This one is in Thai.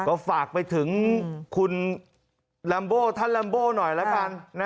ก็ฝากไปถึงคุณลัมโบท่านลัมโบ้หน่อยละกัน